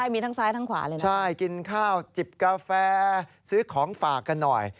มีทั้งซ้ายทั้งขวาเลยนะใช่กินข้าวจิบกาแฟซื้อของฝากกันหน่อย